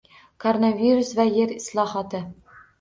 Koronavirus va yer islohoti